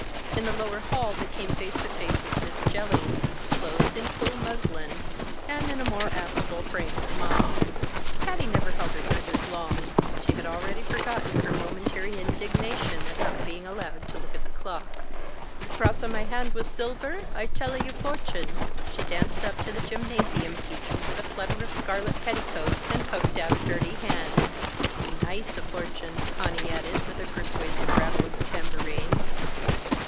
In the lower hall they came face to face with Miss Jellings, clothed in cool muslin, and in a more affable frame of mind. Patty never held her grudges long; she had already forgotten her momentary indignation at not being allowed to look at the clock. "You cross a my hand with silver? I tell a your fortune." She danced up to the gymnasium teacher with a flutter of scarlet petticoats, and poked out a dirty hand. "Nice a fortune," Conny added with a persuasive rattle of the tambourine.